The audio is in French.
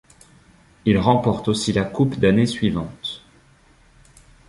Il remporte aussi la coupe d'année suivante.